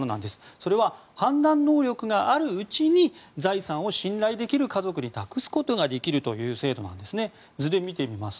それは判断能力があるうちに財産を信頼できる家族に託すことができるという制度なんです。